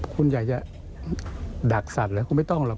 คุณอยากจะดักสัตว์หรือคุณไม่ต้องหรอก